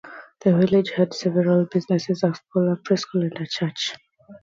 The village has several businesses, a school, a pre-school and a church.